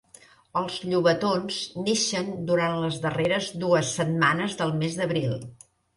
Els llobatons neixen durant les darreres dues setmanes del mes d'abril.